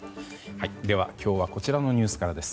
では、今日はこちらのニュースからです。